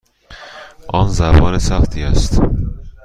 آن زبان سختی است.